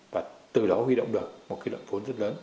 và từ đó huy động được một cái đoạn vốn rất lớn